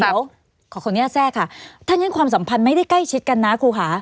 เดี๋ยวขออนุญาตแทรกค่ะถ้างั้นความสัมพันธ์ไม่ได้ใกล้ชิดกันนะครูค่ะ